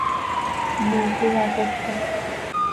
Miiqui yatolec.